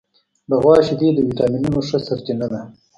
د غوا شیدې د وټامینونو ښه سرچینه ده.